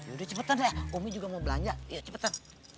udah cepetan ya umi juga mau belanja cepetan